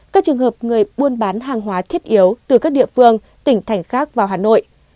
các trường hợp người buôn bán hàng hóa thiết yếu từ các địa phương tỉnh thành khác vào hà nội